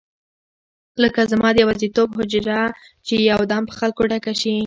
لکه زما د یوازیتوب حجره چې یو دم په خلکو ډکه شي.